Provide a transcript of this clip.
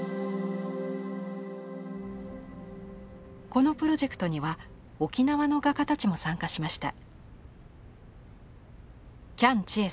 このプロジェクトには沖縄の画家たちも参加しました。